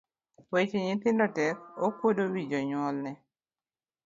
Weche nyithindo tek, okuodo wi jonyuolne.